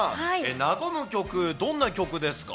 和む曲、どんな曲ですか？